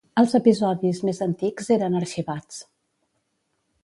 Els episodis més antics eren arxivats.